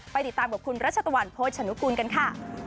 ไปติดตามกับคุณรัชตวรรณโภชนุกรุณกันค่ะ